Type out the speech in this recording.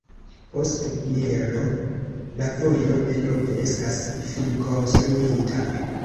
Post Bielo la vojo denove estas finkonstruita.